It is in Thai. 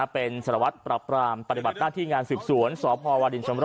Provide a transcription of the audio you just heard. เป็นสารวัตรปรับปรามปฏิบัติหน้าที่งานสืบสวนสพวดินชำรา